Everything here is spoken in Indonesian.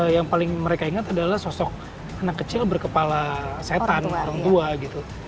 yang paling mereka ingat adalah sosok anak kecil berkepala setan orang tua gitu